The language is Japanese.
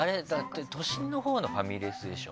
都心のほうのファミレスでしょ？